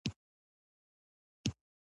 يو مهال د پوهنتون د دېوال سره موازي خوشې و.